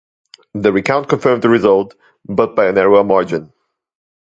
The recount confirmed the result, but by a narrower margin.